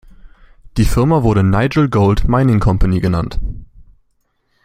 Die Firma wurde "Nigel Gold Mining Company" genannt.